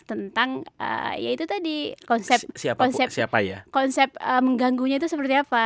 tentang ya itu tadi konsep mengganggunya itu seperti apa